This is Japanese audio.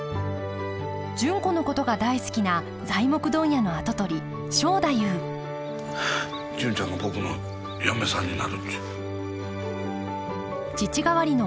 純子のことが大好きな材木問屋の跡取り正太夫純ちゃんが僕の嫁さんになるっちゅう。